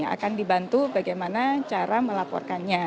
akan dibantu bagaimana cara melaporkannya